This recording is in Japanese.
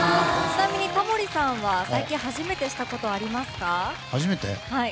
ちなみにタモリさんは最近初めてしたことはありますか？